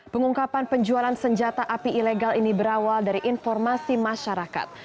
pengungkapan penjualan senjata api ilegal ini berawal dari informasi masyarakat